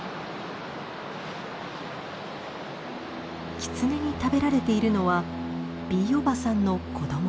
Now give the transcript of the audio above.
キツネに食べられているのはＢおばさんの子供。